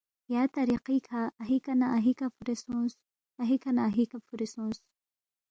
یا طریقی کھہ اَہیکھہ نہ اَہیکھہ فُورے سونگس، اہَیکھہ نہ اَہیکھہ فُورے سونگس